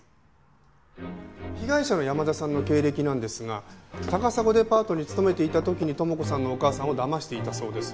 被害者の山田さんの経歴なんですが高砂デパートに勤めていた時に友子さんのお母さんを騙していたそうです。